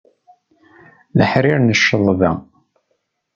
Leḥrir n cceḍba.